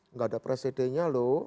enggak ada presidennya loh